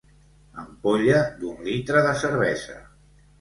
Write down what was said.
Ampolla d'un litre de cervesa.